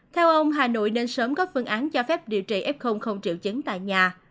theo ông hà nội nên sớm có phương án cho phép điều trị f không triệu chứng tại nhà